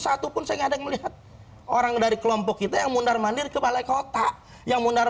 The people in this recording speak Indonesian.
satupun saya ada yang melihat orang dari kelompok kita yang mundar mandir kebalai kota yang mundar